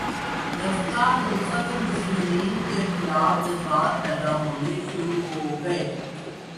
رفتہ خلیفتہ المسلمین کے خلاف جذبات پیدا ہونے شروع ہوگئے